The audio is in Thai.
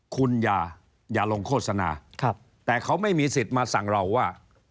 คุณอย่าลงโฆษณาแต่เขาไม่มีสิทธิ์มาสั่งเราว่า